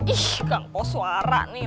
ih kangkos suara nih